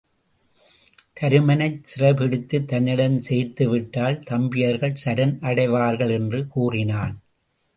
தருமனைச் சிறைப்பிடித்துத் தன்னிடம் சேர்த்து விட்டால் தம்பியர்கள் சரண் அடைவார்கள் என்று கூறினான்.